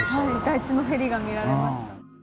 台地のヘリが見られました。